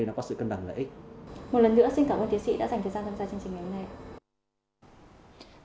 một lần nữa xin cảm ơn tiến sĩ đã dành thời gian tham gia chương trình ngày hôm nay